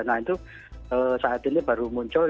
nah itu saat ini baru muncul